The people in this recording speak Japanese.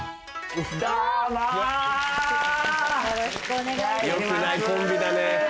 良くないコンビだね。